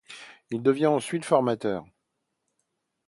Il devient ensuite formateur.